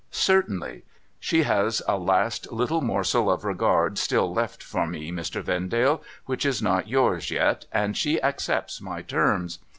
' Certainly, She has a last little morsel of regard still left for me, Mr. Vendale, which is not j'ours yet; and she accepts my terms.